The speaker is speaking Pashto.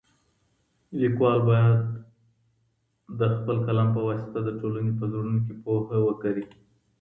ليکوال بايد د خپل قلم په واسطه د ټولني په زړونو کي پوهه وکري.